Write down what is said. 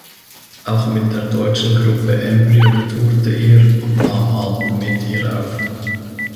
Auch mit der deutschen Gruppe "Embryo" tourte er und nahm Alben mit ihr auf.